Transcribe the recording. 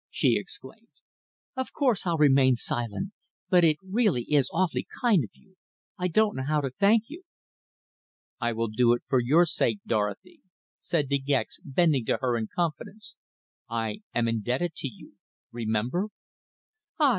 she exclaimed. "Of course I'll remain silent. But it really is awfully kind of you. I don't know how to thank you." "I will do it for your sake, Dorothy," said De Gex, bending to her in confidence. "I am indebted to you remember!" "Ah!